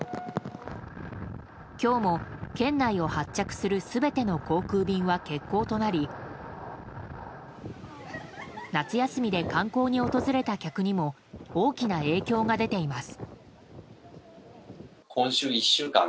今日も県内を発着する全ての航空便は欠航となり夏休みで観光に訪れた客にも大きな影響が出ています。